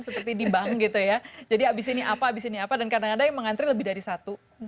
jadi di bang gitu ya jadi habis ini apa habis ini apa dan kadang ada yang mengantri lebih dari satu